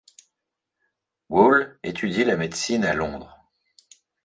Wall étudie la médecine à Londres.